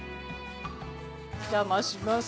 お邪魔します。